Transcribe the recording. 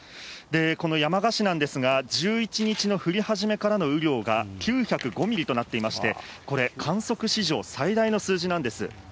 この山鹿市なんですが、１１日の降り始めからの雨量が９０５ミリとなっていまして、これ、観測史上最大の数字なんです。